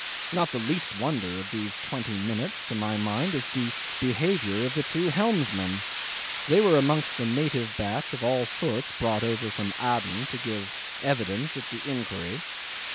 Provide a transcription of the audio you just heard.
Not the least wonder of these twenty minutes, to my mind, is the behaviour of the two helmsmen. They were amongst the native batch of all sorts brought over from Aden to give evidence at the inquiry.